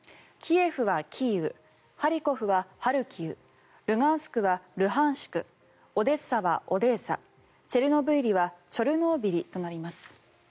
キエフはキーウハリコフはハルキウルガンスクはルハンシクオデッサはオデーサチェルノブイリはチョルノービリとなります。